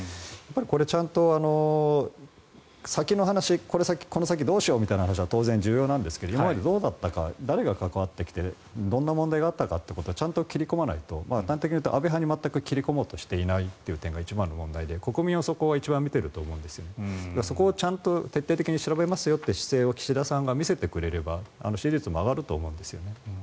これ、ちゃんと先の話この先どうしようみたいな話は当然重要なんですけど今までどうだったのか誰が関わってきてどういう問題があったのかということをちゃんと切り込まないと端的に言うと安倍派に切り込もうとしていないというのが一番の問題で国民はそこを一番見ていると思うのでそこを徹底的に調べますという姿勢を岸田さんが見せてくれれば支持率も上がると思うんですね。